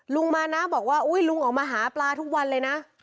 ลุงมานะบอกว่าอุ๊ยลุงออกมาหาปลาทุกวันเลยนะ